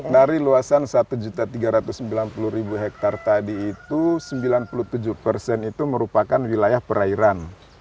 dari luasan satu tiga ratus sembilan puluh hektare tadi itu sembilan puluh tujuh persen itu merupakan wilayah perairan